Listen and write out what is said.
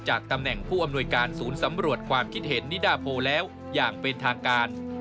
ตำแหน่งผู้อำนวยการศูนย์สำรวจความคิดเห็นนิดาโพแล้วอย่างเป็นทางการ